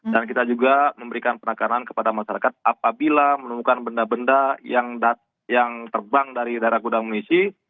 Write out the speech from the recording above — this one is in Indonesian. dan kita juga memberikan penekanan kepada masyarakat apabila menemukan benda benda yang terbang dari daerah gudang munisi